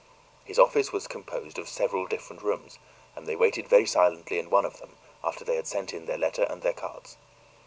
His office was composed of several different rooms, and they waited very silently in one of them after they had sent in their letter and their cards.